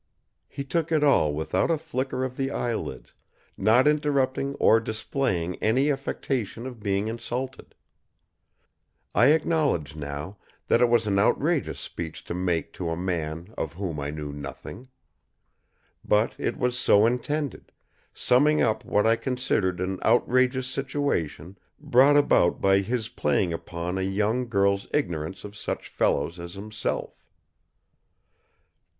He took it all without a flicker of the eyelids, not interrupting or displaying any affectation of being insulted. I acknowledge, now, that it was an outrageous speech to make to a man of whom I knew nothing. But it was so intended; summing up what I considered an outrageous situation brought about by his playing upon a young girl's ignorance of such fellows as himself.